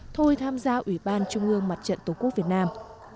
thôi tham gia ủy ban trung ương mặt trận tổ quốc việt nam